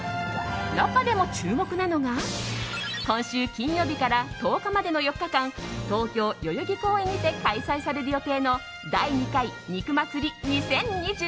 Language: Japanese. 中でも注目なのが今週金曜日から１０日までの４日間東京・代々木公園にて開催される予定の第２回肉祭２０２２。